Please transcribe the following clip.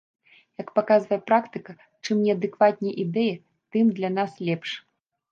Як паказвае практыка, чым неадэкватней ідэя, тым для нас лепш.